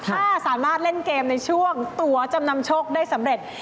ถ้าสามารถเล่นเกมในช่วงตัวจำนำโชคได้สำเร็จ